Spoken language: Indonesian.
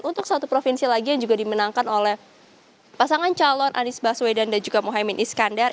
untuk satu provinsi lagi yang juga dimenangkan oleh pasangan calon anies baswedan dan juga mohaimin iskandar